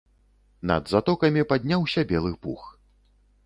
Над затокамі падняўся белы пух.